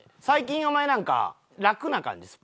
最近お前なんか楽な感じ。